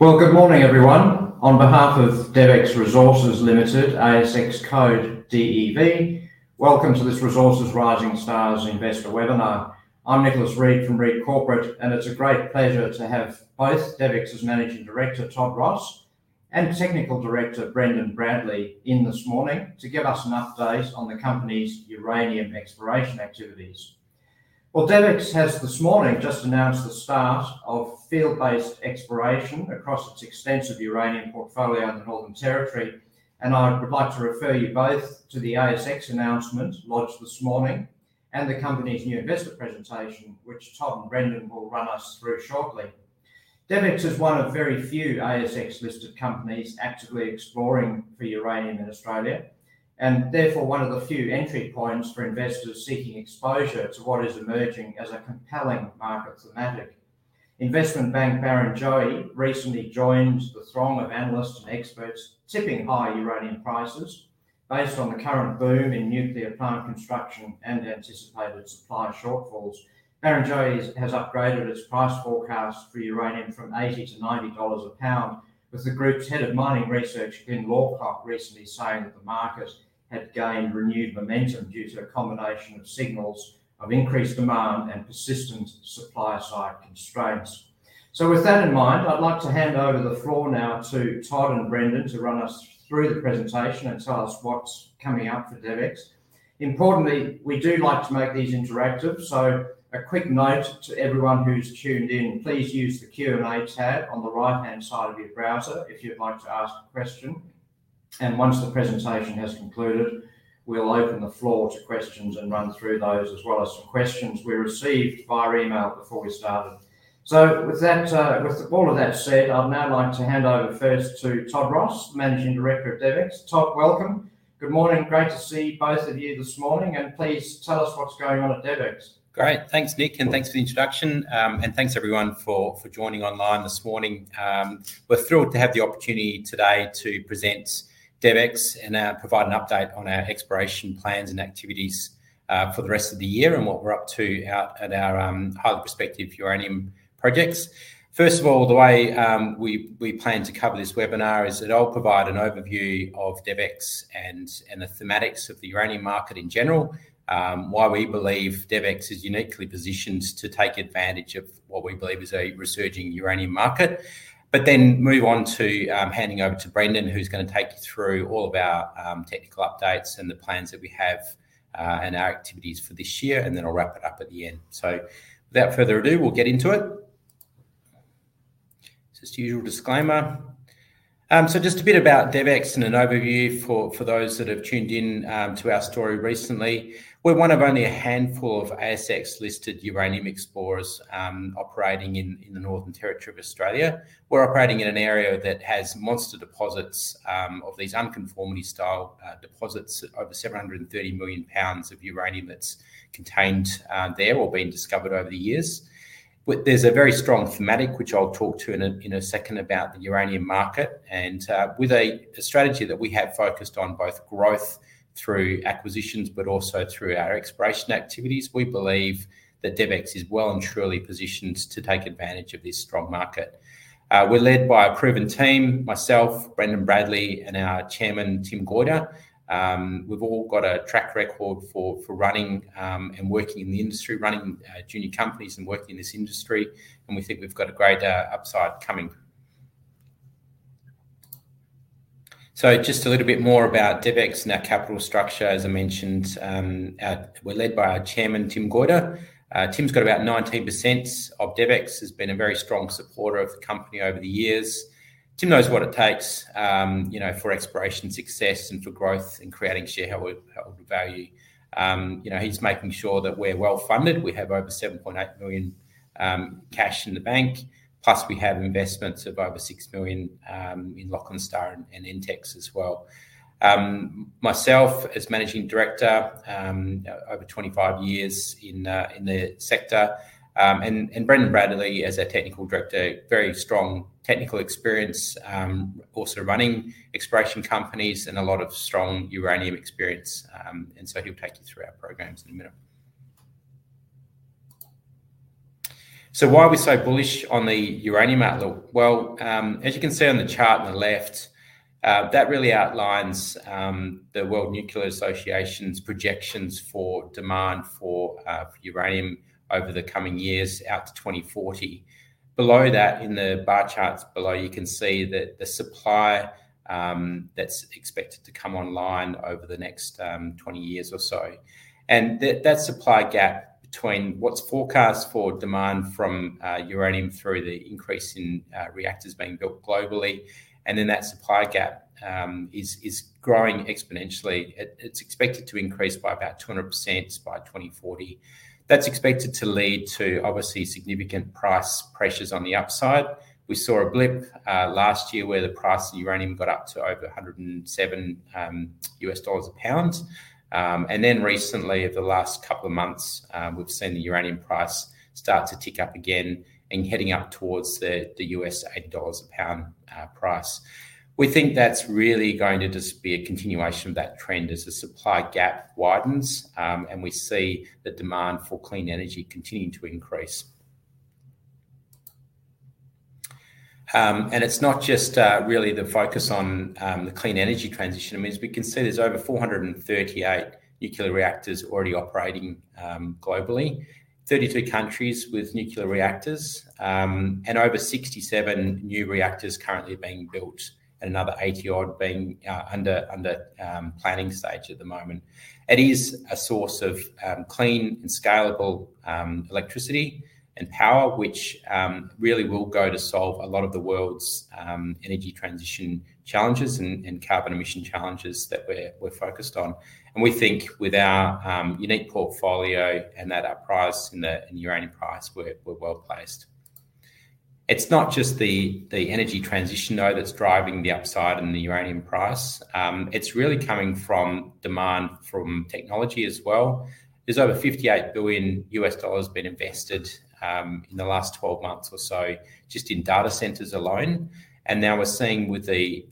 Good morning, everyone. On behalf of DevEx Resources Ltd, ASX code DEV, welcome to this Resources Rising Stars Investor Webinar. I'm Nicholas Read from Read Corporate, and it's a great pleasure to have DevEx's Managing Director, Todd Ross, and Technical Director, Brendan Bradley, in this morning to give us an update on the company's uranium exploration activities. DevEx has this morning just announced the start of field-based exploration across its extensive uranium portfolio in the Northern Territory, and I would like to refer you both to the ASX announcement launched this morning and the company's new investor presentation, which Todd and Brendan will run us through shortly. DevEx is one of very few ASX-listed companies actively exploring for uranium in Australia and therefore one of the few entry points for investors seeking exposure to what is emerging as a compelling market thematic. Investment bank Barrenjoey recently joined the throng of analysts and experts tipping high uranium prices based on the current boom in nuclear plant construction and anticipated supply shortfalls. Barrenjoey has upgraded its price forecast for uranium from $80 to $90 a pound, with the group's Head of Mining Research, Glyn Lawcock, recently saying that the market had gained renewed momentum due to a combination of signals of increased demand and persistent supply-side constraints. With that in mind, I'd like to hand over the floor now to Todd and Brendan to run us through the presentation and tell us what's coming up for DevEx. Importantly, we do like to make these interactive, so a quick note to everyone who's tuned in: please use the Q&A tab on the right-hand side of your browser if you'd like to ask a question. Once the presentation has concluded, we'll open the floor to questions and run through those as well as some questions we received via email before we started. With all of that said, I'd now like to hand over first to Todd Ross, Managing Director at DevEx. Todd, welcome. Good morning. Great to see both of you this morning, and please tell us what's going on at DevEx. Great. Thanks, Nick, and thanks for the introduction, and thanks everyone for joining online this morning. We're thrilled to have the opportunity today to present DevEx and provide an update on our exploration plans and activities for the rest of the year and what we're up to out at our highly prospective uranium projects. First of all, the way we plan to cover this webinar is that I'll provide an overview of DevEx and the thematics of the uranium market in general, why we believe DevEx is uniquely positioned to take advantage of what we believe is a resurging uranium market, then move on to handing over to Brendan, who's going to take you through all of our technical updates and the plans that we have and our activities for this year, and then I'll wrap it up at the end. Without further ado, we'll get into it. Just a usual disclaimer. Just a bit about DevEx and an overview for those that have tuned in to our story recently. We're one of only a handful of ASX-listed uranium explorers operating in the Northern Territory of Australia. We're operating in an area that has monster deposits of these unconformity-style deposits, over 730 million pounds of uranium that's contained there or been discovered over the years. There's a very strong thematic, which I'll talk to in a second about the uranium market, and with a strategy that we have focused on both growth through acquisitions but also through our exploration activities, we believe that DevEx is well and truly positioned to take advantage of this strong market. We're led by a proven team: myself, Brendan Bradley, and our Chairman, Tim Goyder. We've all got a track record for running and working in the industry, running junior companies and working in this industry, and we think we've got a great upside coming. Just a little bit more about DevEx and our capital structure, as I mentioned, we're led by our Chairman, Tim Goyder. Tim's got about 19% of DevEx, has been a very strong supporter of the company over the years. Tim knows what it takes, you know, for exploration success and for growth and creating shareholder value. You know, he's making sure that we're well-funded. We have over 7.8 million cash in the bank, plus we have investments of over 6 million in Lachlan Star and Intex as well. Myself, as Managing Director, over 25 years in the sector, and Brendan Bradley, as our Technical Director, very strong technical experience, also running exploration companies and a lot of strong uranium experience, and he'll take you through our programs in a minute. Why are we so bullish on the uranium outlook? As you can see on the chart on the left, that really outlines the World Nuclear Association's projections for demand for uranium over the coming years out to 2040. Below that, in the bar charts below, you can see that the supply that's expected to come online over the next 20 years or so, and that supply gap between what's forecast for demand from uranium through the increase in reactors being built globally, that supply gap is growing exponentially. It's expected to increase by about 200% by 2040. That's expected to lead to, obviously, significant price pressures on the upside. We saw a blip last year where the price of uranium got up to over $107 a pound, and then recently, over the last couple of months, we've seen the uranium price start to tick up again and heading up towards the $80 a pound [across]. We think that's really going to just be a continuation of that trend as the supply gap widens and we see the demand for clean energy continuing to increase. It's not just really the focus on the clean energy transition. I mean, as we can see, there's over 438 nuclear reactors already operating globally, 33 countries with nuclear reactors, and over 67 new reactors currently being built and another 80 odd being under planning stage at the moment. It is a source of clean and scalable electricity and power, which really will go to solve a lot of the world's energy transition challenges and carbon emission challenges that we're focused on. We think with our unique portfolio and that our price and the uranium price we're well placed. It's not just the energy transition, though, that's driving the upside in the uranium price. It's really coming from demand from technology as well. There's over $58 billion being invested in the last 12 months or so just in data centers alone, and now we're seeing with the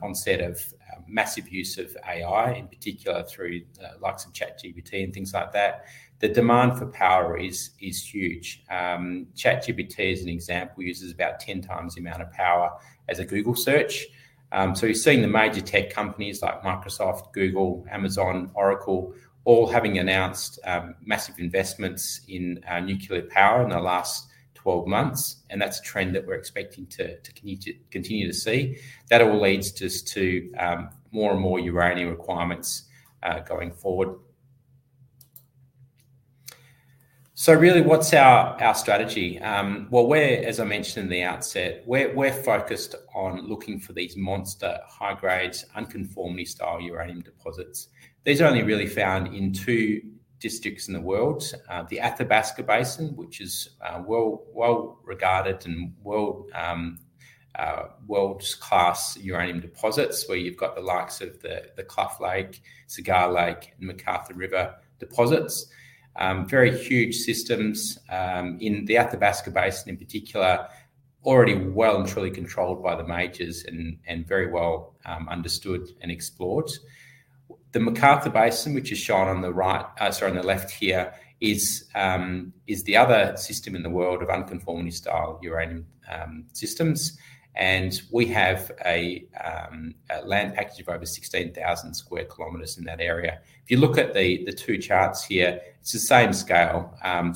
onset of massive use of AI, in particular through the likes of ChatGPT and things like that, the demand for power is huge. ChatGPT is an example. It uses about 10X the amount of power as a Google search. You're seeing the major tech companies like Microsoft, Google, Amazon, Oracle all having announced massive investments in nuclear power in the last 12 months, and that's a trend that we're expecting to continue to see. That all leads to more and more uranium requirements going forward. Really, what's our strategy? As I mentioned in the outset, we're focused on looking for these monster high-grade unconformity-style uranium deposits. These are only really found in two districts in the world: the Athabasca Basin, which is well-regarded and world-class uranium deposits, where you've got the likes of the Clough Lake, Cigar Lake, and McArthur River deposits. Very huge systems in the Athabasca Basin in particular, already well and truly controlled by the majors and very well understood and explored. The McArthur Basin, which is shown on the right, shown on the left here, is the other system in the world of unconformity-style uranium systems, and we have a land package of over 16,000 sq km in that area. If you look at the two charts here, it's the same scale.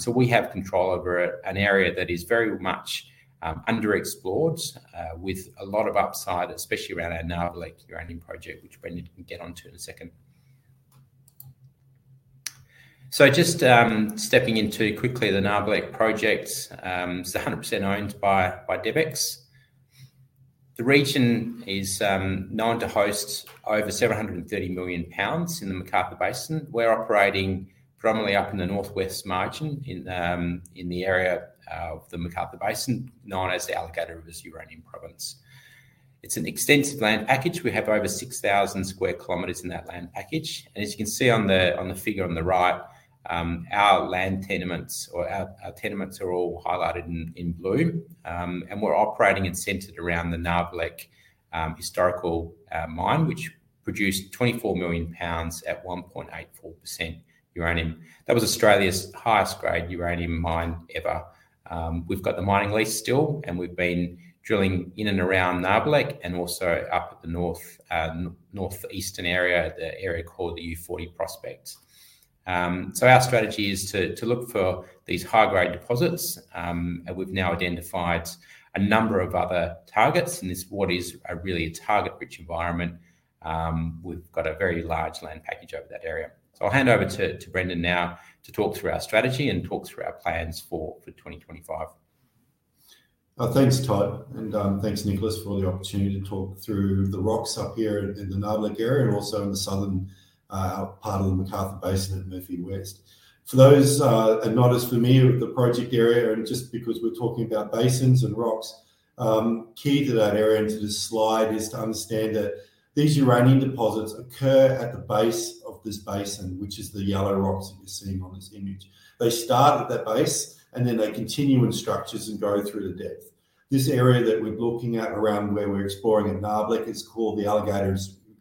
We have control over an area that is very much underexplored with a lot of upside, especially around our Nabarlek Uranium Project, which Brendan can get onto in a second. Just stepping into quickly the Nabarlek Project, it's 100% owned by DevEx. The region is known to host over 730 million pounds in the McArthur Basin. We're operating predominantly up in the Northwest margin in the area of the McArthur Basin, known as the Alligator Rivers Uranium Province. It's an extensive land package. We have over 6,000 sq km in that land package, and as you can see on the figure on the right, our land tenements or our tenements are all highlighted in blue, and we're operating and centered around the Nabarlek historical mine, which produced 24 million pounds at 1.84% uranium. That was Australia's highest grade uranium mine ever. We've got the mining lease still, and we've been drilling in and around Nabarlek and also up at the North, Northeastern area, the area called the U40 Prospect. Our strategy is to look for these high-grade deposits, and we've now identified a number of other targets, and this is what is really a target-rich environment. We've got a very large land package over that area. I'll hand over to Brendan now to talk through our strategy and talk through our plans for 2025. Thanks, Todd, and thanks, Nicholas, for the opportunity to talk through the rocks up here in the Nabarlek area and also in the southern part of the McArthur Basin at Murphy West. For those who are not as familiar with the project area, and just because we're talking about basins and rocks, key to that area and to this slide is to understand that these uranium deposits occur at the base of this basin, which is the yellow rocks that you see in Mullins' image. They start at that base, and then they continue in structures and go through the depth. This area that we're looking at around where we're exploring at Nabarlek is called the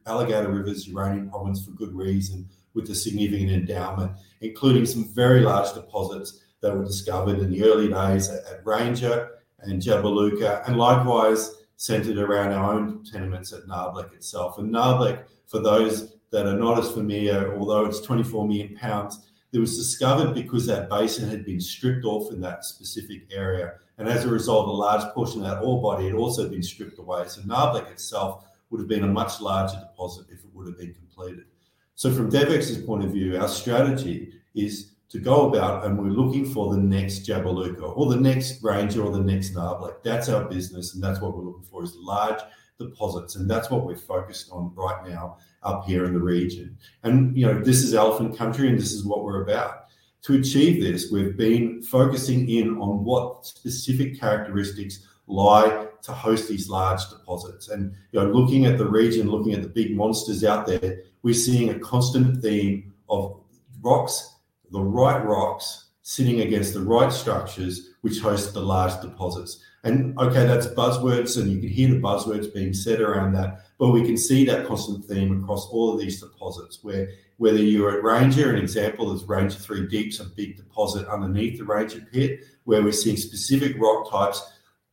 Alligator Rivers Uranium Province for good reason, with a significant endowment, including some very large deposits that were discovered in the early days at Ranger and Jabiluka, and likewise centered around our own tenements at Nabarlek itself. Nabarlek, for those that are not as familiar, although it's 24 million pounds, it was discovered because that basin had been stripped off in that specific area, and as a result, a large portion of that ore body had also been stripped away. Nabarlek itself would have been a much larger deposit if it would have been completed. From DevEx's point of view, our strategy is to go about, and we're looking for the next Jabiluka or the next Ranger or the next Nabarlek. That's our business, and that's what we're looking for is the large deposits, and that's what we're focused on right now up here in the region. This is elephant country, and this is what we're about. To achieve this, we've been focusing in on what specific characteristics lie to host these large deposits. Looking at the region, looking at the big monsters out there, we're seeing a constant theme of rocks, the right rocks sitting against the right structures which host the large deposits. That's buzzwords, and you can hear the buzzwords being said around that, but we can see that constant theme across all of these deposits, where whether you're at Ranger, an example is Ranger 3 Deeps, a big deposit underneath the Ranger Pit, where we're seeing specific rock types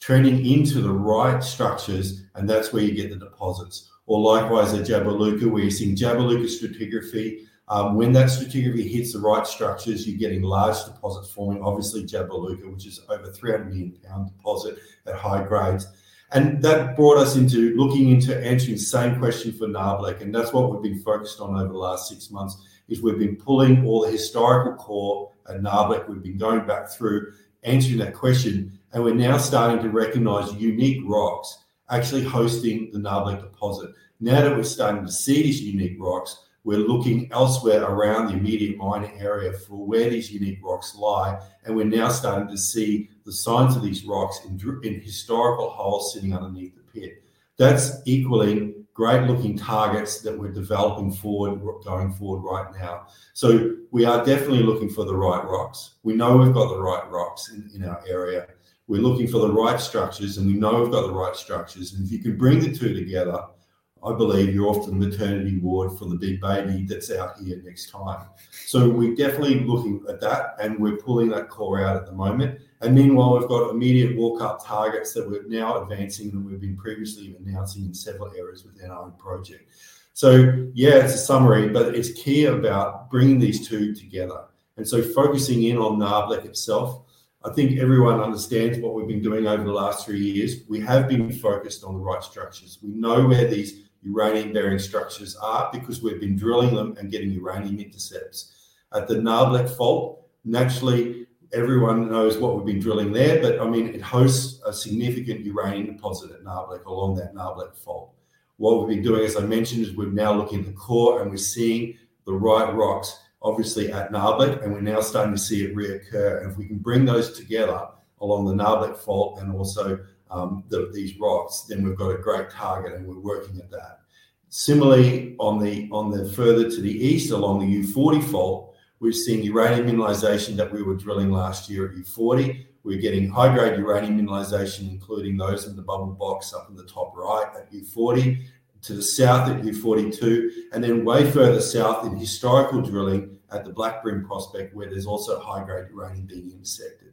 turning into the right structures, and that's where you get the deposits. Likewise, at Jabiluka, where you're seeing Jabiluka stratigraphy. When that stratigraphy hits the right structures, you're getting large deposits forming, obviously Jabiluka, which is over 300 million pound deposit at high grades. That brought us into looking into answering the same question for Nabarlek, and that's what we've been focused on over the last six months. We've been pulling all the historical core at Nabarlek. We've been going back through answering that question, and we're now starting to recognize unique rocks actually hosting the Nabarlek deposit. Now that we're starting to see these unique rocks, we're looking elsewhere around the immediate Iona area for where these unique rocks lie, and we're now starting to see the signs of these rocks and historical holes sitting underneath the pit. That's equally great-looking targets that we're developing for and going forward right now. We are definitely looking for the right rocks. We know we've got the right rocks in our area. We're looking for the right structures, and we know we've got the right structures. If you can bring the two together, I believe you're off to the maternity ward for the big baby that's out here next time. We're definitely looking at that, and we're pulling that core out at the moment. Meanwhile, we've got immediate walk-up targets that we're now advancing and we've been previously announcing in several areas within our own project. It's a summary, but it's key about bringing these two together. Focusing in on Nabarlek itself, I think everyone understands what we've been doing over the last three years. We have been focused on the right structures. We know where these uranium-bearing structures are because we've been drilling them and getting uranium intercepts. At the Nabarlek Fault, naturally, everyone knows what we've been drilling there, but it hosts a significant uranium deposit at Nabarlek along that Nabarlek Fault. What we've been doing, as I mentioned, is we're now looking at the core, and we're seeing the right rocks, obviously at Nabarlek, and we're now starting to see it re-occur. If we can bring those together along the Nabarlek Fault and also these rocks, then we've got a great target, and we're working at that. Similarly, further to the east along the U40 Fault, we've seen uranium mineralization that we were drilling last year at U40. We're getting high-grade uranium mineralization, including those in the bottom box up in the top right at U40, to the South at U42, and then way further south in historical drilling at the Blackburn Prospect, where there's also high-grade uranium being intercepted.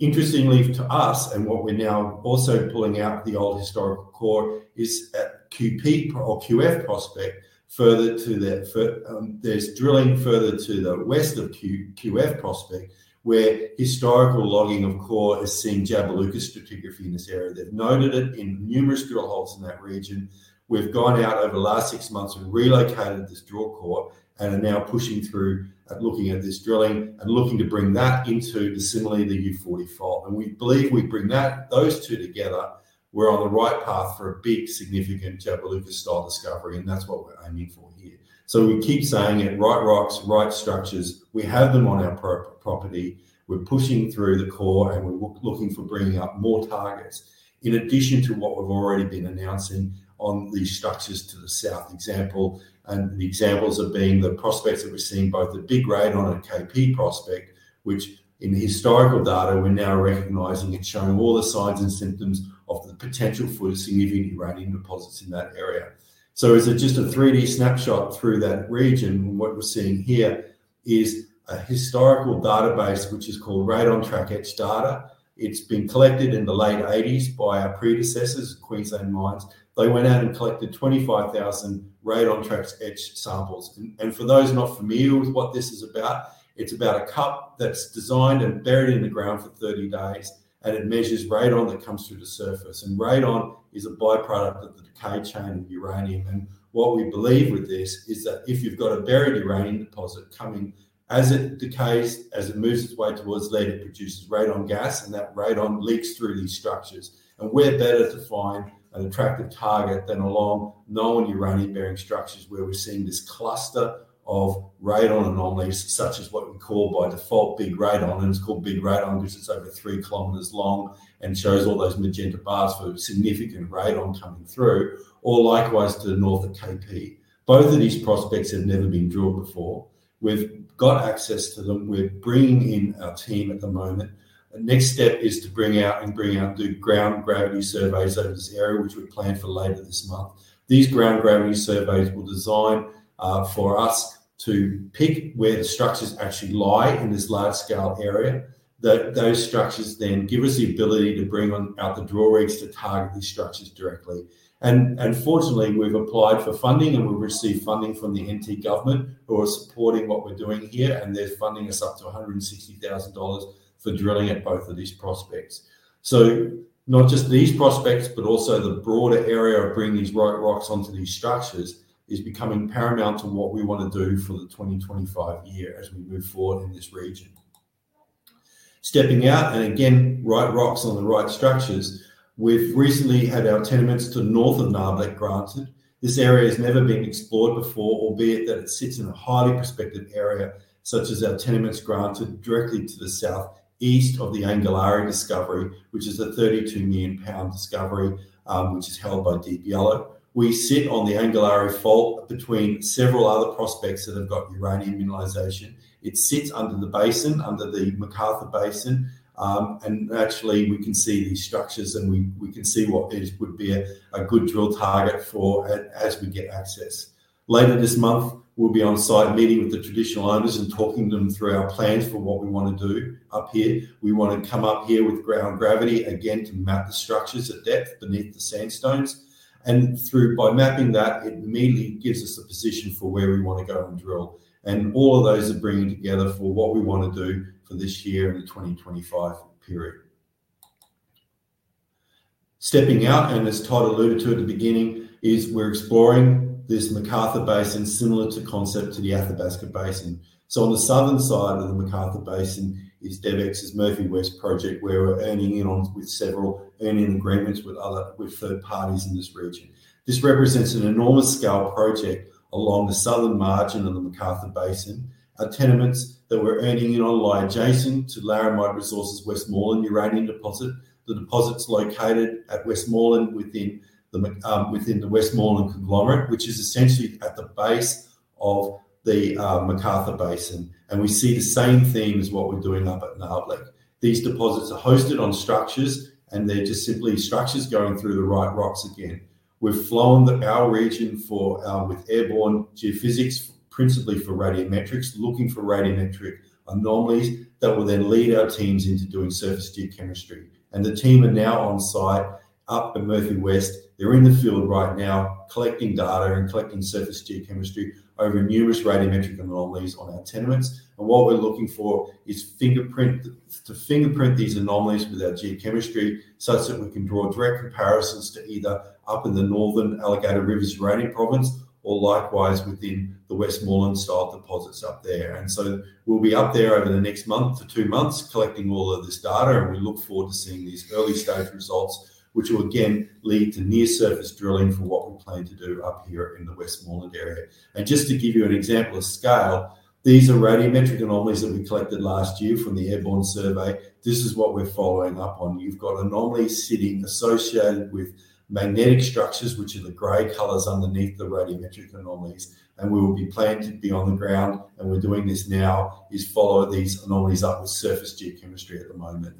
Interestingly to us, and what we're now also pulling out, the old historical core is at KP or QF Prospect. Further to that, there's drilling further to the west of QF Prospect, where historical logging of core is seeing Jabiluka stratigraphy in this area. They've noted it in numerous drill holes in that region. We've gone out over the last six months and relocated this drill core and are now pushing through, looking at this drilling and looking to bring that into the, similarly, the U40 Fault. We believe if we bring those two together, we're on the right path for a big significant Jabiluka-style discovery, and that's what we're aiming for here. We keep saying it, right rocks, right structures, we have them on our property, we're pushing through the core, and we're looking for bringing up more targets. In addition to what we've already been announcing on these structures to the south, for example, and the examples of being the prospects that we're seeing, both the Big Radon at KP Prospect, which in the historical data we're now recognizing, it's showing all the signs and symptoms of the potential for significant uranium deposits in that area. As a just a 3D snapshot through that region, what we're seeing here is a historical database which is called Radon Track Etch data. It's been collected in the late 1980s by our predecessors, Queensland Mines. They went out and collected 25,000 radon track edge samples. For those not familiar with what this is about, it's about a cup that's designed and buried in the ground for 30 days, and it measures radon that comes through the surface. Radon is a byproduct of the decay chain uranium. What we believe with this is that if you've got a buried uranium deposit coming, as it decays, as it moves its way towards lead, it produces radon gas, and that radon leaks through these structures. We're better to find an attractive target than along known uranium-bearing structures where we're seeing this cluster of radon anomalies, such as what we call by default Big Radon, and it's called Big Radon because it's over three kilometers long and shows all those magenta bars for significant radon coming through, or likewise to the North of [KP]. Both of these prospects have never been drilled before. We've got access to them. We're bringing in our team at the moment. The next step is to bring out and bring out the ground gravity surveys over this area, which we plan for later this month. These ground gravity surveys will design for us to pick where the structures actually lie in this large-scale area. Those structures then give us the ability to bring out the drill rigs to target these structures directly. Fortunately, we've applied for funding, and we've received funding from the NT government who are supporting what we're doing here, and they're funding us up to $160,000 for drilling at both of these prospects. Not just these prospects, but also the broader area of bringing these right rocks onto these structures is becoming paramount to what we want to do for the 2025 year as we move forward in this region. Stepping out, and again, right rocks on the right structures, we've recently had our tenements to the north of Nabarlek granted. This area has never been explored before, albeit that it sits in a highly prospective area such as our tenements granted directly to the southeast of the Anglilaria discovery, which is a 32 million pound discovery, which is held by Deep Yellow. We sit on the Anglilaria Fault between several other prospects that have got uranium mineralization. It sits under the basin, under the McArthur Basin, and actually we can see these structures, and we can see what would be a good drill target for as we get access. Later this month, we'll be on-site meeting with the traditional owners and talking to them through our plans for what we want to do up here. We want to come up here with ground gravity again to map the structures at depth beneath the sandstones, and by mapping that, it immediately gives us a position for where we want to go and drill. All of those are bringing together for what we want to do for this year in the 2025 period. Stepping out, and as Todd alluded to at the beginning, we're exploring this McArthur Basin similar to concept to the Athabasca Basin. On the southern side of the McArthur Basin is DevEx's Murphy West project, where we're earning in on with several earn-in agreements with other third parties in this region. This represents an enormous-scale project along the southern margin of the McArthur Basin. Our tenements that we're earning in on lie adjacent to Laramide Resources Westmoreland Uranium Deposit. The deposit's located at Westmoreland within the Westmoreland conglomerate, which is essentially at the base of the McArthur Basin. We see the same theme as what we're doing up at Nabarlek. These deposits are hosted on structures, and they're just simply structures going through the right rocks again. We've flown our region with airborne geophysics, principally for radiometrics, looking for radiometric anomalies that will then lead our teams into doing surface geochemistry. The team are now on site up at Murphy West. They're in the field right now collecting data and collecting surface geochemistry over numerous radiometric anomalies on our tenements. What we're looking for is to fingerprint these anomalies with our geochemistry such that we can draw direct comparisons to either up in the Northern Alligator Rivers Uranium Province or likewise within the Westmoreland-style deposits up there. We'll be up there over the next month to two months collecting all of this data, and we look forward to seeing these early stage results, which will again lead to near-surface drilling for what we're planning to do up here in the Westmoreland area. Just to give you an example of scale, these are radiometric anomalies that we collected last year from the airborne survey. This is what we're following up on. You've got anomalies sitting associated with magnetic structures, which are the gray colors underneath the radiometric anomalies, and we will be planning to be on the ground, and we're doing this now, is follow these anomalies up with surface geochemistry at the moment.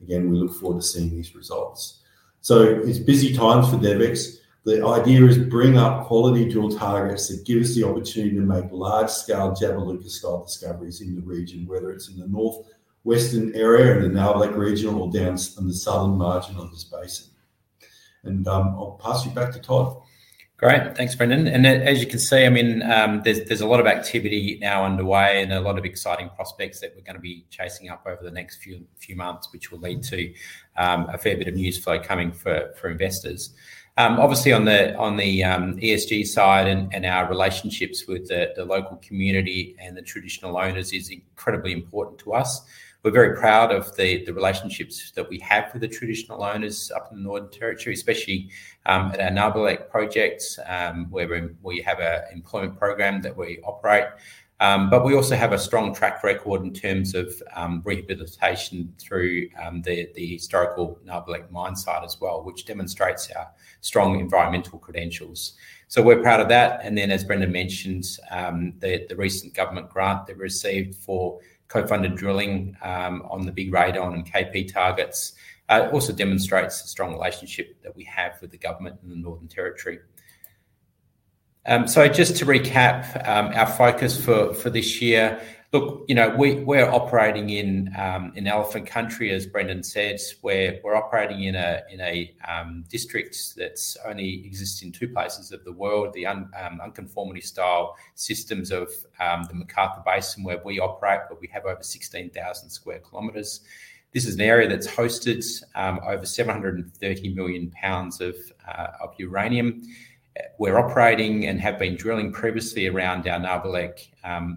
We look forward to seeing these results. It's busy times for DevEx. The idea is to bring up quality drill targets that give us the opportunity to make large-scale Jabiluka-style discoveries in the region, whether it's in the Northwestern area and in the Nabarlek region or down in the Southern margin of this basin. I'll pass you back to Todd. Great, thanks Brendan. As you can see, there's a lot of activity now underway and a lot of exciting prospects that we're going to be chasing up over the next few months, which will lead to a fair bit of news flow coming for investors. Obviously, on the ESG side and our relationships with the local community and the traditional owners is incredibly important to us. We're very proud of the relationships that we have with the traditional owners up in the Northern Territory, especially at our Nabarlek Projects, where we have an employment program that we operate. We also have a strong track record in terms of rehabilitation through the historical Nabarlek mine site as well, which demonstrates our strong environmental credentials. We're proud of that. As Brendan mentioned, the recent government grant that we received for co-funded drilling on the Big Radon and KP targets also demonstrates a strong relationship that we have with the government in the Northern Territory. Just to recap our focus for this year, we're operating in an elephant country, as Brendan said, where we're operating in a district that only exists in two places of the world, the unconformity-style systems of the McArthur Basin where we operate, where we have over 16,000 sq km. This is an area that's hosted over 730 million pounds of uranium. We're operating and have been drilling previously around our Nabarlek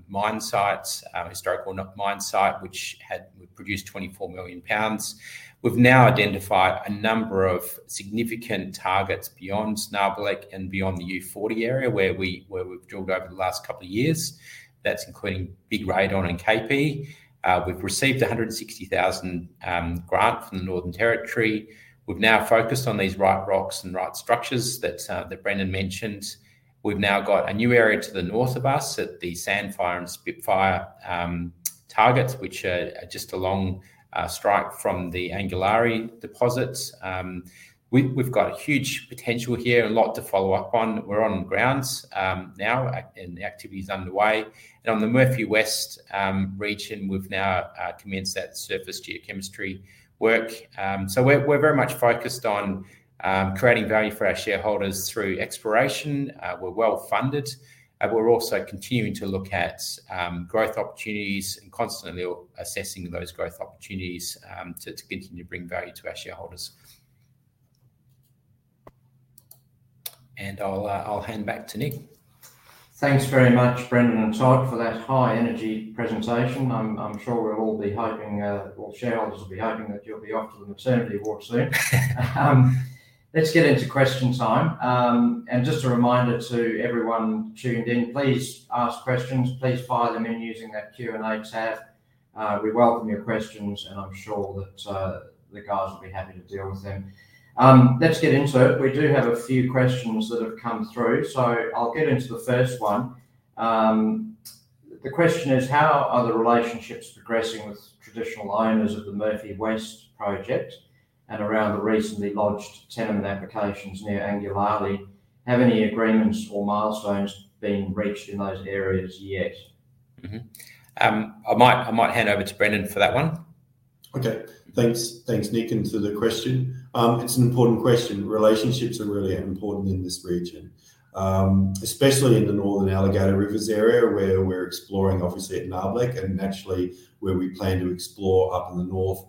mine sites, our historical mine site, which had produced 24 million pounds. We've now identified a number of significant targets beyond Nabarlek and beyond the U40 area where we've drilled over the last couple of years. That's including Big Radon and KP. We've received $160,000 grants from the Northern Territory. We've now focused on these right rocks and right structures that Brendan mentioned. We've now got a new area to the north of us at the Sandfire and Spitfire targets, which are just along strike from the Anglilaria deposits. We've got a huge potential here and a lot to follow up on. We're on ground now and activities underway. In the Murphy West region, we've now commenced that surface geochemistry work. We're very much focused on creating value for our shareholders through exploration. We're well funded, and we're also continuing to look at growth opportunities and constantly assessing those growth opportunities to continue to bring value to our shareholders. I'll hand back to Nick. Thanks very much, Brendan and Todd, for that high-energy presentation. I'm sure we'll all be hoping, shareholders will be hoping that you'll be off to the maternity ward soon. Let's get into question time. Just a reminder to everyone tuned in, please ask questions. Please fire them in using that Q&A tab. We welcome your questions, and I'm sure that the guys will be happy to deal with them. Let's get into it. We do have a few questions that have come through, so I'll get into the first one. The question is, how are the relationships progressing with traditional owners of the Murphy West Project and around the recently lodged tenement applications near Anglilaria? Have any agreements or milestones been reached in those areas yet? I might hand over to Brendan for that one. Okay, thanks, thanks Nick, and to the question. It's an important question. Relationships are really important in this region, especially in the northern Alligator Rivers area where we're exploring, obviously, at Nabarlek and naturally where we plan to explore up in the north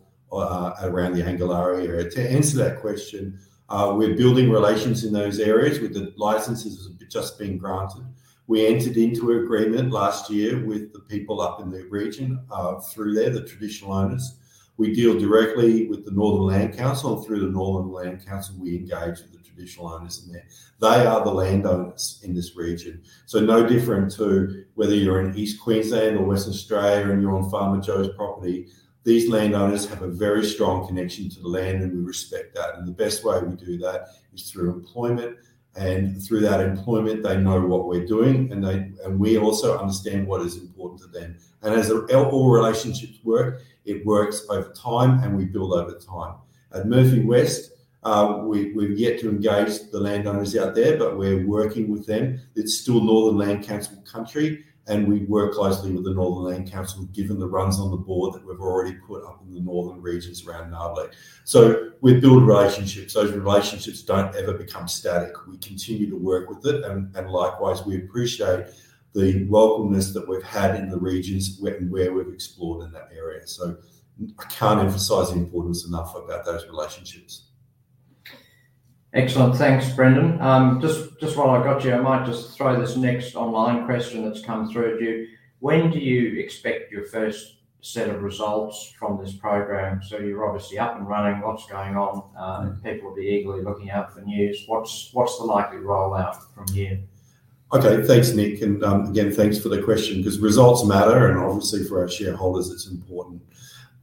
around the Anglilaria area. To answer that question, we're building relations in those areas with the licenses just being granted. We entered into an agreement last year with the people up in the region through there, the traditional owners. We deal directly with the Northern Land Council, and through the Northern Land Council, we engage with the traditional owners in there. They are the landowners in this region. No different to whether you're in East Queensland or West Australia and you're on Farmer Joe's property. These landowners have a very strong connection to the land, and we respect that. The best way we do that is through employment, and through that employment, they know what we're doing, and we also understand what is important to them. As all relationships work, it works over time, and we build over time. At Murphy West, we've yet to engage the landowners out there, but we're working with them. It's still Northern Land Council country, and we work closely with the Northern Land Council, given the runs on the board that we've already put up in the northern regions around Nabarlek. We build relationships. Those relationships don't ever become static. We continue to work with it, and likewise, we appreciate the welcomeness that we've had in the regions and where we've explored in that area. I can't emphasize the importance enough about those relationships. Excellent, thanks, Brendan. Just while I got you, I might just throw this next online question that's come through. When do you expect your first set of results from this program? You're obviously up and running. Lots going on. People will be eagerly looking out for news. What's the likely rollout from here? Okay, thanks, Nick. Again, thanks for the question, because results matter, and obviously for our shareholders, it's important.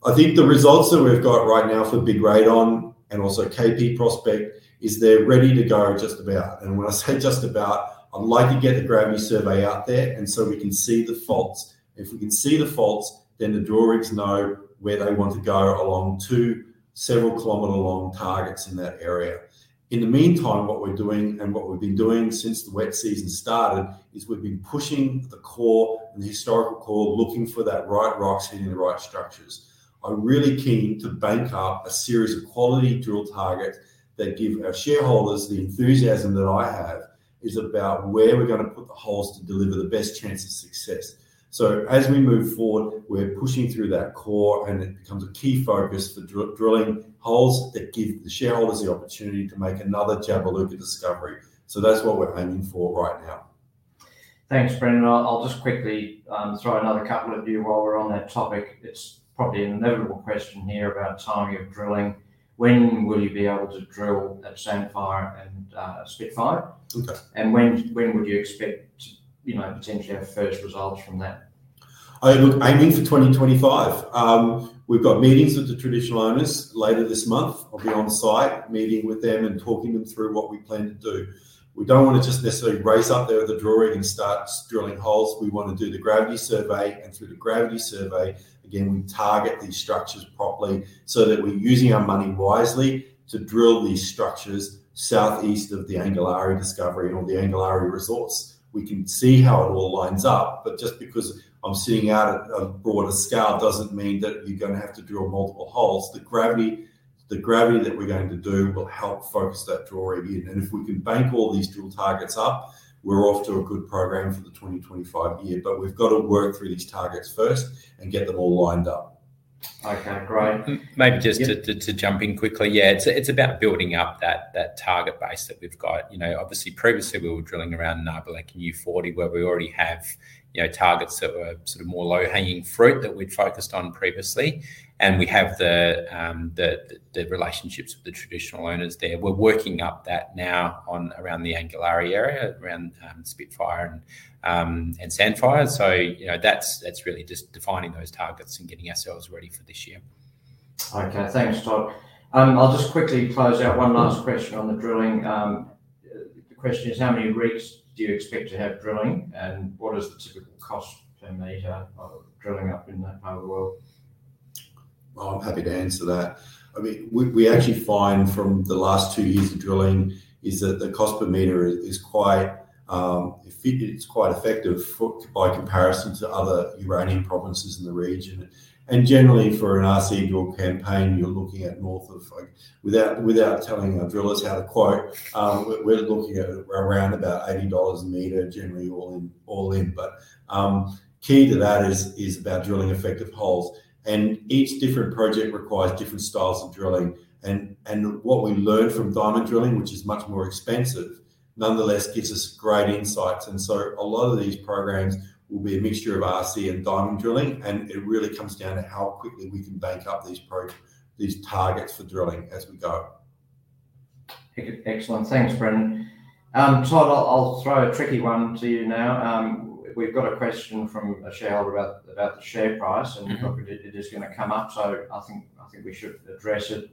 I think the results that we've got right now for Big Radon and also KP Prospect is they're ready to go just about. When I say just about, I'd like to get the gravity survey out there so we can see the faults. If we can see the faults, then the draw is to know where they want to go along to several kilometer-long targets in that area. In the meantime, what we're doing and what we've been doing since the wet season started is we've been pushing the core, the historical core, looking for that right rocks hitting the right structures. I'm really keen to bank up a series of quality drill targets that give our shareholders the enthusiasm that I have is about where we're going to put the holes to deliver the best chance of success. As we move forward, we're pushing through that core, and it becomes a key focus for drilling holes that give the shareholders the opportunity to make another Jabiluka discovery. That's what we're aiming for right now. Thanks, Brendan. I'll just quickly throw another couple at you while we're on that topic. It's probably an inevitable question here about timing of drilling. When would you be able to drill at Sandfire and Spitfire? When would you expect to, you know, potentially have first results from that? I look aiming for 2025. We've got meetings with the traditional owners later this month. I'll be on site, meeting with them and talking them through what we plan to do. We don't want to just necessarily race up there with the drill rig and start drilling holes. We want to do the gravity survey, and through the gravity survey, again, we target these structures properly so that we're using our money wisely to drill these structures southeast of the Anglilaria discovery and all the Anglilaria resorts. We can see how it all lines up, just because I'm sitting out at a broader scale doesn't mean that you're going to have to drill multiple holes. The gravity that we're going to do will help focus that drawer in. If we can bank all these drill targets up, we're off to a good program for the 2025 year, but we've got to work through these targets first and get them all lined up. Okay, great. Maybe just to jump in quickly, yeah, it's about building up that target base that we've got. Obviously, previously we were drilling around Nabarlek and U40 where we already have, you know, targets that were sort of more low-hanging fruit that we'd focused on previously. We have the relationships with the traditional owners there. We're working up that now around the Anglilaria area, around Spitfire and Sandfire. That's really just defining those targets and getting ourselves ready for this year. Okay, thanks, Todd. I'll just quickly close out one last question on the drilling. The question is, how many rigs do you expect to have drilling, and what is the typical cost per meter of drilling up in that whole world? I'm happy to answer that. I mean, we actually find from the last two years of drilling is that the cost per meter is quite, it's quite effective by comparison to other uranium provinces in the region. Generally, for an RC drill campaign, you're looking at north of, like, without telling our drillers how to quote, we're looking at around about $80 a meter, generally all in. Key to that is about drilling effective holes. Each different project requires different styles of drilling. What we learned from diamond drilling, which is much more expensive, nonetheless gives us great insights. A lot of these programs will be a mixture of RC and diamond drilling. It really comes down to how quickly we can bank up these targets for drilling as we go. Excellent, thanks, Brendan. Todd, I'll throw a tricky one to you now. We've got a question from a shareholder about the share price, and hopefully it is going to come up. I think we should address it.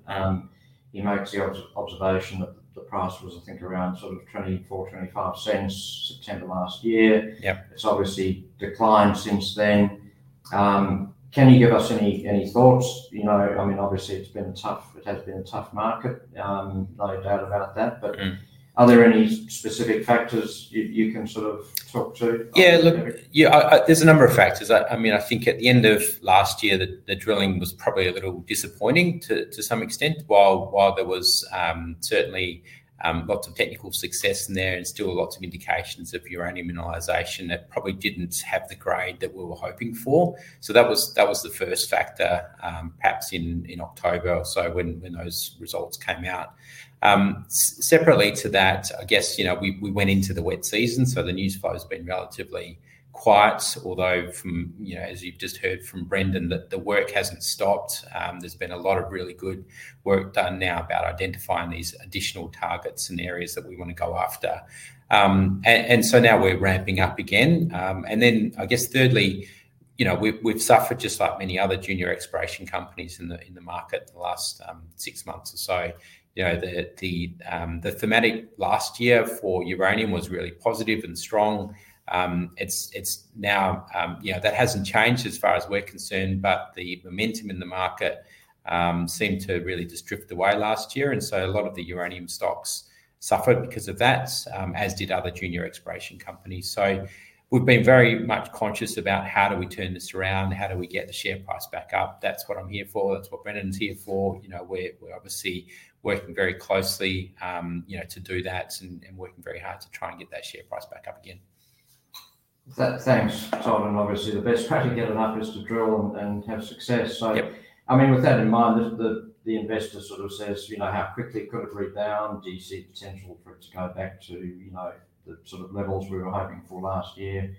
In my observation, the price was, I think, around $0.24, $0.25 September last year. It's obviously declined since then. Can you give us any thoughts? I mean, obviously, it's been a tough, it has been a tough market. I'm not even out about that, but are there any specific factors you can sort of talk to? Yeah, look, there's a number of factors. I mean, I think at the end of last year, the drilling was probably a little disappointing to some extent. While there was certainly lots of technical success in there and still lots of indications of uranium mineralization, that probably didn't have the grade that we were hoping for. That was the first factor, perhaps in October or so when those results came out. Separately to that, I guess, you know, we went into the wet season, so the news flow has been relatively quiet, although, as you've just heard from Brendan, the work hasn't stopped. There's been a lot of really good work done now about identifying these additional targets and areas that we want to go after. Now we're ramping up again. I guess thirdly, we've suffered just like many other junior exploration companies in the market the last six months or so. The thematic last year for uranium was really positive and strong. It's now, you know, that hasn't changed as far as we're concerned, but the momentum in the market seemed to really just drift away last year. A lot of the uranium stocks suffered because of that, as did other junior exploration companies. We've been very much conscious about how do we turn this around? How do we get the share price back up? That's what I'm here for. That's what Brendan is here for. We're obviously working very closely to do that and working very hard to try and get that share price back up again. Thanks, Todd. Obviously, the best way to get it up is to drill and have success. With that in mind, the investor sort of says, you know, how quickly could it rebound? Do you see potential for it to go back to, you know, the sort of levels we were hoping for last year?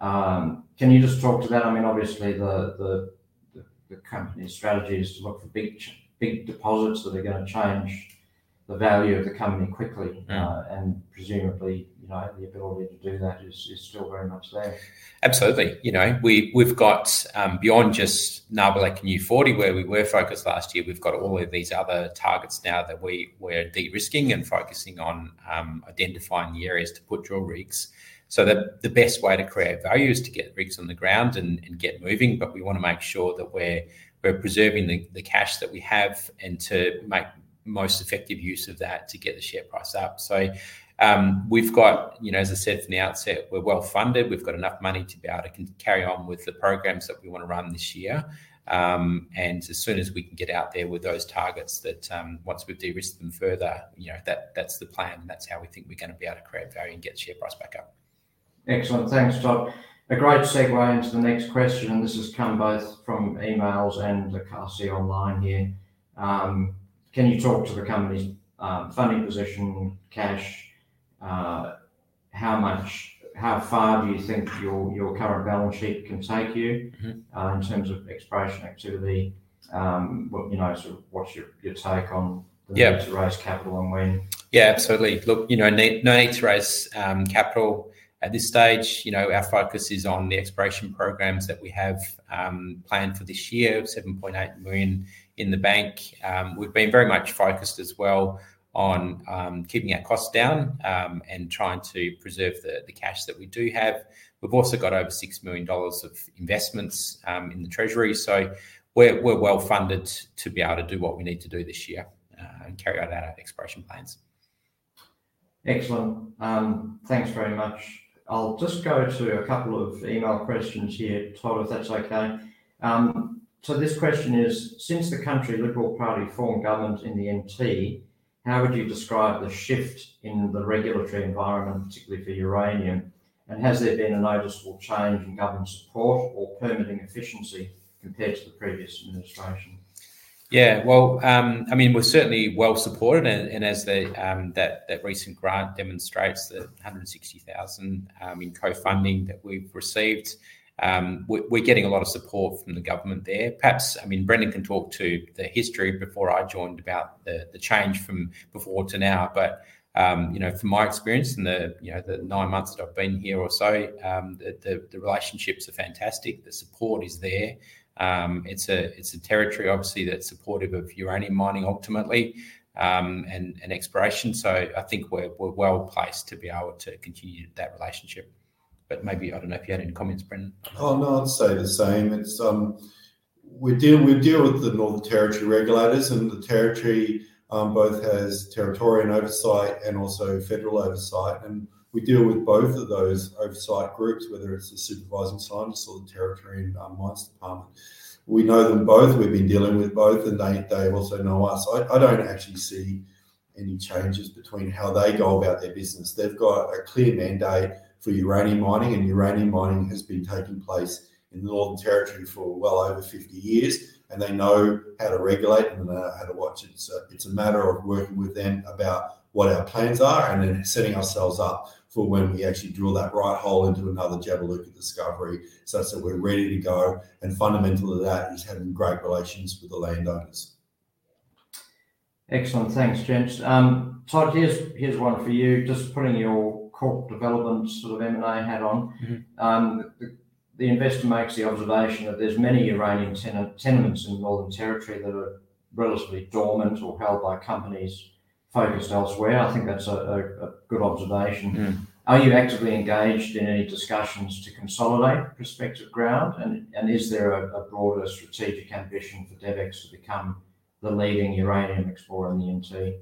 Can you just talk to that? Obviously, the company's strategy is to look for big deposits that are going to change the value of the company quickly. Presumably, you know, the ability to do that is still very much there. Absolutely. You know, we've got beyond just Nabarlek and U40, where we were focused last year, we've got all of these other targets now that we're de-risking and focusing on identifying the areas to put drill rigs. The best way to create value is to get rigs on the ground and get moving. We want to make sure that we're preserving the cash that we have and to make most effective use of that to get the share price up. As I said from the outset, we're well funded. We've got enough money to be able to carry on with the programs that we want to run this year. As soon as we can get out there with those targets that once we've de-risked them further, that's the plan. That's how we think we're going to be able to create value and get the share price back up. Excellent, thanks, Todd. A great segue into the next question, and this has come both from emails and LaCassie online here. Can you talk to the company's funding position, cash? How much, how far do you think your current balance sheet can take you in terms of exploration activity? What's your take on the need to raise capital and when? Yeah, absolutely. Look, no need to raise capital at this stage. Our focus is on the exploration programs that we have planned for this year, 7.8 million in the bank. We've been very much focused as well on keeping our costs down and trying to preserve the cash that we do have. We've also got over $6 million of investments in the treasury. We're well funded to be able to do what we need to do this year and carry out our exploration plans. Excellent. Thanks very much. I'll just go to a couple of email questions here, Todd, if that's okay. This question is, since the Country Liberal Party formed government in the NT, how would you describe the shift in the regulatory environment, particularly for uranium? Has there been a noticeable change in government support or permitting efficiency compared to the previous administration? Yeah, I mean, we're certainly well supported. As that recent grant demonstrates, the $160,000 in co-funding that we've received, we're getting a lot of support from the government there. Perhaps Brendan can talk to the history before I joined about the change from before to now. From my experience in the nine months that I've been here or so, the relationships are fantastic. The support is there. It's a territory, obviously, that's supportive of uranium mining ultimately and exploration. I think we're well placed to be able to continue that relationship. Maybe, I don't know if you had any comments, Brendan. Oh, no, I'd say the same. We deal with the Northern Territory regulators, and the territory both has territorial oversight and also federal oversight. We deal with both of those oversight groups, whether it's the supervising scientists or the territory and mines department. We know them both. We've been dealing with both, and they also know us. I don't actually see any changes between how they go about their business. They've got a clear mandate for uranium mining, and uranium mining has been taking place in the Northern Territory for well over 50 years. They know how to regulate them, and they know how to watch it. It's a matter of working with them about what our plans are and then setting ourselves up for when we actually drill that right hole into another Jabiluka discovery such that we're ready to go. Fundamental to that is having great relations with the landowners. Excellent, thanks, [Brendan]. Todd, here's one for you. Just putting your Corporate Development sort of M&A hat on. The investor makes the observation that there's many uranium tenements in the Northern Territory that are relatively dormant or held by companies focused elsewhere. I think that's a good observation. Are you actively engaged in any discussions to consolidate prospective ground? Is there a broader strategic ambition for DevEx to become the leading uranium explorer in the NT?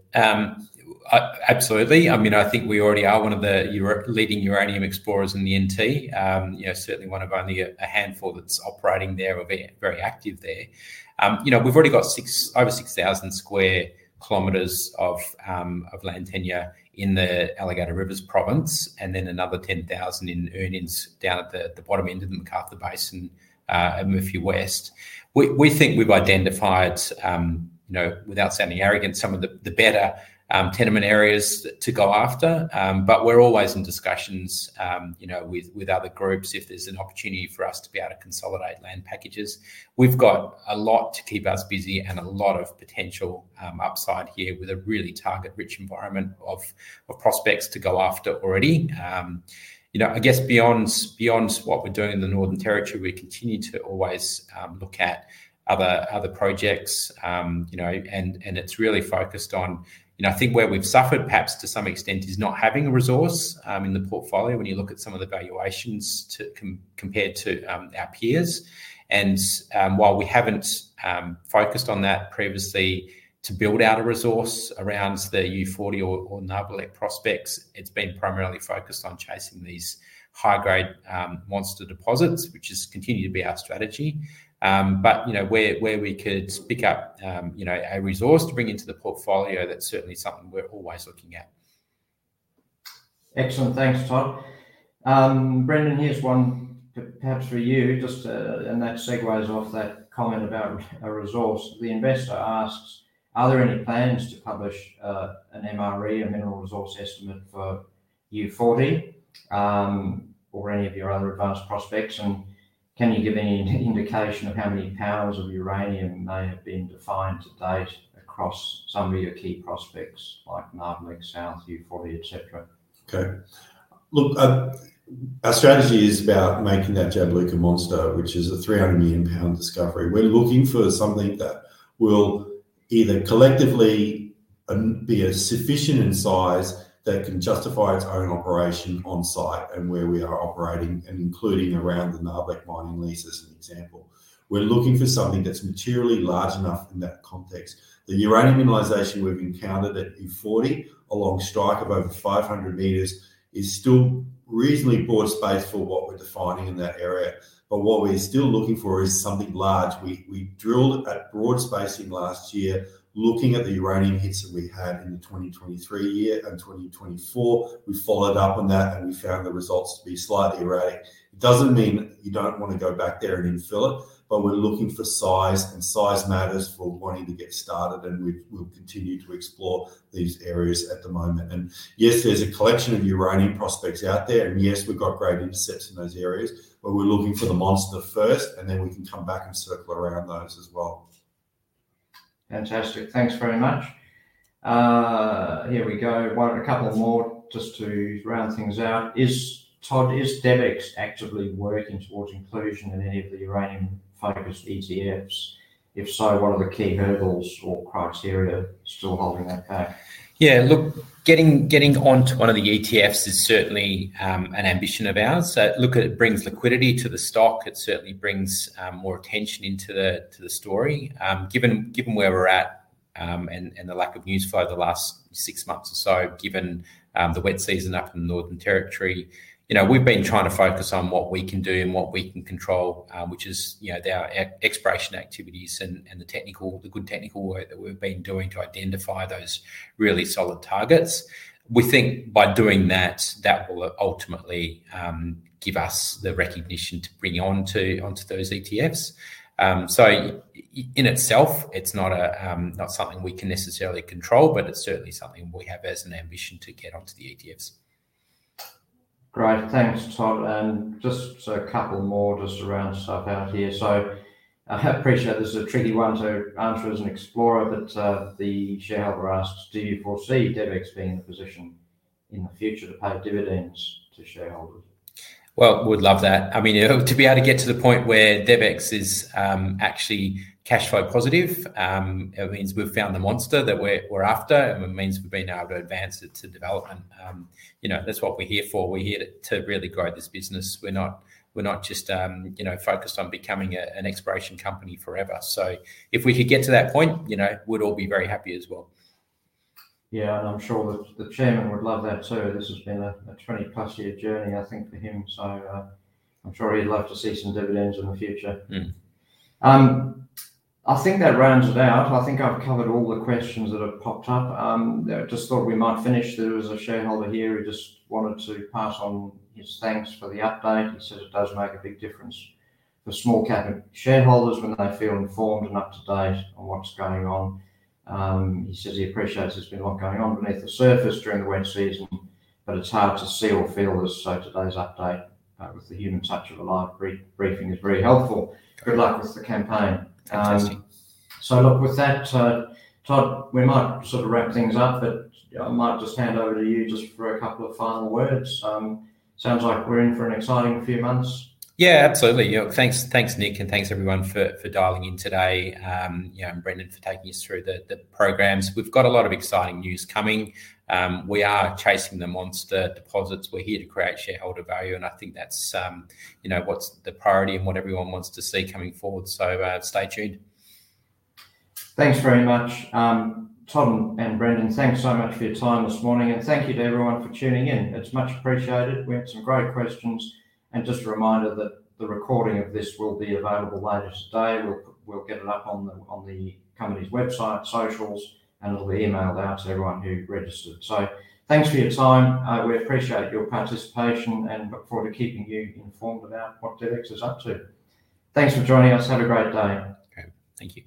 Absolutely. I mean, I think we already are one of the leading uranium explorers in the Northern Territory. Certainly one of only a handful that's operating there or being very active there. We've already got over 6,000 sq km of land tenure in the Alligator Rivers Uranium Province and then another 10,000 in the earnings down at the bottom end of the McArthur Basin at Murphy West. We think we've identified, without sounding arrogant, some of the better tenement areas to go after. We're always in discussions with other groups if there's an opportunity for us to be able to consolidate land packages. We've got a lot to keep us busy and a lot of potential upside here with a really target-rich environment of prospects to go after already. I guess beyond what we're doing in the Northern Territory, we continue to always look at other projects, and it's really focused on, I think where we've suffered perhaps to some extent is not having a resource in the portfolio when you look at some of the valuations compared to our peers. While we haven't focused on that previously to build out a resource around the U40 or Nabarlek Prospects, it's been primarily focused on chasing these high-grade monster deposits, which has continued to be our strategy. Where we could pick up a resource to bring into the portfolio, that's certainly something we're always looking at. Excellent, thanks, Todd. Brendan, here's one perhaps for you. Just a nice segue off that comment about a resource. The investor asks, are there any plans to publish an MRE, a mineral resource estimate, for U40 or any of your other advanced prospects? Can you give any indication of how many pounds of uranium may have been defined to date across some of your key prospects like Nabarlek, South, U40, etc.? Okay. Look, our strategy is about making that Jabiluka monster, which is a 300 million pound discovery. We're looking for something that will either collectively be sufficient in size that can justify its own operation on site and where we are operating, including around the Nabarlek mining lease, as an example. We're looking for something that's materially large enough in that context. The uranium mineralization we've encountered at U40 along strike of over 500 m is still reasonably broad space for what we're defining in that area. What we're still looking for is something large. We drilled at broad spacing last year, looking at the uranium hits that we had in the 2023 year and 2024. We followed up on that and we found the results to be slightly erratic. It doesn't mean you don't want to go back there and infill it, but we're looking for size, and size matters for wanting to get started. We've continued to explore these areas at the moment. Yes, there's a collection of uranium prospects out there, and yes, we've got great intercepts in those areas, but we're looking for the monster first, and then we can come back and circle around those as well. Fantastic, thanks very much. Here we go. A couple more just to round things out. Todd, is DevEx actively working towards inclusion in any of the uranium-focused ETFs? If so, what are the key hurdles or criteria still holding their path? Yeah, look, getting onto one of the ETFs is certainly an ambition of ours. It brings liquidity to the stock. It certainly brings more attention to the story. Given where we're at and the lack of news flow the last six months or so, given the wet season up in the Northern Territory, we've been trying to focus on what we can do and what we can control, which is our exploration activities and the good technical work that we've been doing to identify those really solid targets. We think by doing that, that will ultimately give us the recognition to bring onto those ETFs. In itself, it's not something we can necessarily control, but it's certainly something we have as an ambition to get onto the ETFs. Great, thanks, Todd. Just a couple more to round stuff out here. I appreciate this is a tricky one to answer as an explorer, but the shareholder asks, do you foresee DevEx being in a position in the future to pay dividends to shareholders? To be able to get to the point where DevEx is actually cash flow positive, it means we've found the monster that we're after and it means we've been able to advance it to development. That's what we're here for. We're here to really grow this business. We're not just, you know, focused on becoming an exploration company forever. If we could get to that point, we'd all be very happy as well. Yeah, and I'm sure that the Chairman would love that too. This has been a 20+ year journey, I think, for him. I'm sure he'd love to see some dividends in the future. I think that rounds it out. I think I've covered all the questions that have popped up. I just thought we might finish. There was a shareholder here who just wanted to pass on his thanks for the update. He said it does make a big difference for small cap shareholders when they feel informed and up to date on what's going on. He says he appreciates there's been a lot going on beneath the surface during the wet season, but it's hard to see or feel as though today's update with the human touch of a live briefing is very helpful. Good luck with the campaign. With that, Todd, we might sort of wrap things up, but I might just hand over to you for a couple of final words. Sounds like we're in for an exciting few months. Yeah, absolutely. Thanks, Nick, and thanks everyone for dialing in today. Brendan, thanks for taking us through the programs. We've got a lot of exciting news coming. We are chasing the monster deposits. We're here to create shareholder value, and I think that's what's the priority and what everyone wants to see coming forward. Stay tuned. Thanks very much, Todd and Brendan. Thanks so much for your time this morning, and thank you to everyone for tuning in. It's much appreciated. We had some great questions, and just a reminder that the recording of this will be available later today. We'll get it up on the company's website, socials, and it'll be emailed out to everyone who registered. Thanks for your time. We appreciate your participation and look forward to keeping you informed about what DevEx is up to. Thanks for joining us. Have a great day. Okay, thank you.